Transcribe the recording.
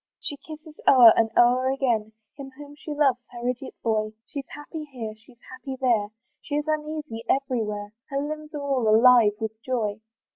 She kisses o'er and o'er again, Him whom she loves, her idiot boy, She's happy here, she's happy there, She is uneasy every where; Her limbs are all alive with joy.